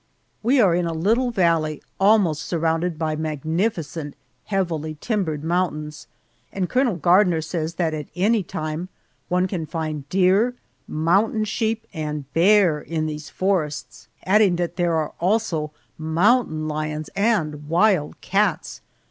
We are in a little valley almost surrounded by magnificent, heavily timbered mountains, and Colonel Gardner says that at any time one can find deer, mountain sheep, and bear in these forests, adding that there are also mountain lions and wild cats!